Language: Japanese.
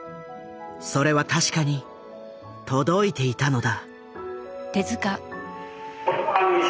それは確かに届いていたのだ。